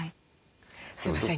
すいません